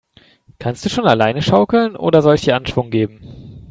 Kannst du schon alleine schaukeln, oder soll ich dir Anschwung geben?